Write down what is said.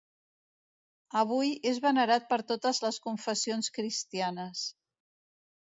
Avui és venerat per totes les confessions cristianes.